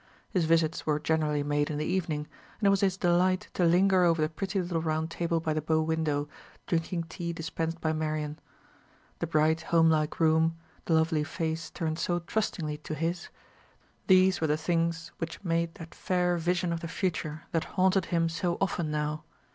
His visits were generally made in the evening; and it was his delight to linger over the pretty little round table by the bow window, drinking tea dispensed by Marian. The bright home like room, the lovely face turned so trustingly to his; these were the things which made that fair vision of the future that haunted him so often now.